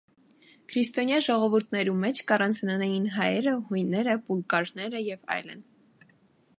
Քրիստոնեայ ժողովուրդներու մէջ կ՛առանձնանային հայերը, յոյները, պուլկարները եւ այլն։